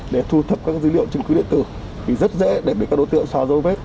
để thu thập các dữ liệu chứng cứ điện tử thì rất dễ để bị các đối tượng xóa dấu vết